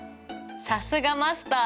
さすがマスター！